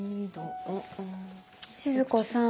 静子さん。